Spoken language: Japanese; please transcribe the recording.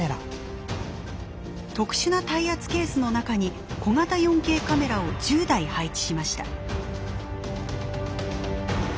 特殊な耐圧ケースの中に小型４Ｋカメラを１０台配置しました。